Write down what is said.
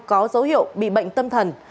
có dấu hiệu bị bệnh tâm thần